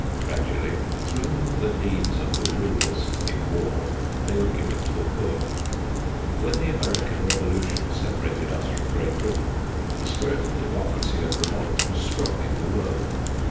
Gradually through the needs of the rulers in war they were given to the poor. When the American Revolution separated us from Great Britain, the spirit of democracy and revolt was strong in the world.